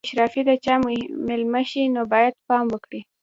که اشرافي د چا مېلمه شي نو باید پام وکړي.